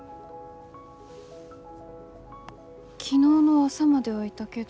昨日の朝まではいたけど。